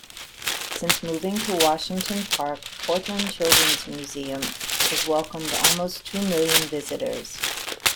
Since moving to Washington Park, Portland Children's Museum has welcomed almost two million visitors.